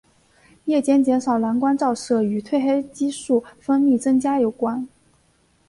夜间减少蓝光照射与褪黑激素分泌增加有关。